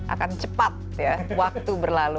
akan cepat waktu berlalu